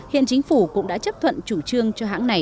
hiện chính phủ cũng đã chấp thuận chủ trương cho hãng này